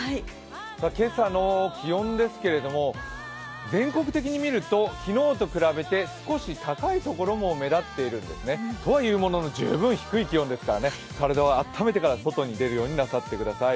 今朝の気温ですけれども、全国的に見ると昨日と比べて少し高いところも目立っているんですね。とはいうものの、十分低い気温ですから、体を温めてから外に出るようになさってください。